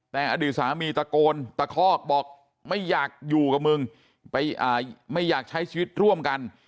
แต่อดีตสามีตะโกนตะคอกบอกไม่อยากอยู่กับมึงไม่อยากใช้ชีวิตร่วมกัน